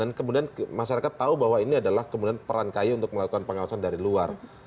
dan kemudian masyarakat tahu bahwa ini adalah kemudian peran kay untuk melakukan pengawasan dari luar